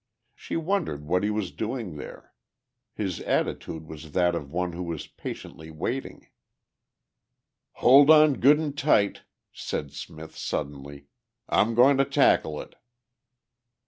She wondered what he was doing there. His attitude was that of one who was patiently waiting. "Hold on good an' tight," said Smith suddenly. "I'm goin' to tackle it."